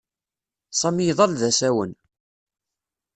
Sami iḍall d asawen.